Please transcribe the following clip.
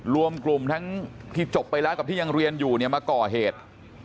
รวมกลุ่มทั้งที่จบไปแล้วกับที่ยังเรียนอยู่เนี่ยมาก่อเหตุ